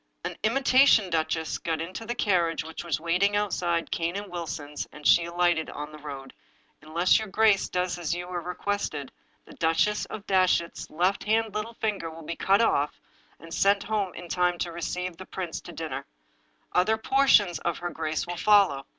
An imitation duchess got into the carriage, which was waiting outside Cane and Wilson's, and she alighted on the road. Unless your grace does as you are requested, the Duchess of Datchet's left hand little finger will be at once cut off, and sent home in time to receive the prince to dinner. Other portions of her grace will follow.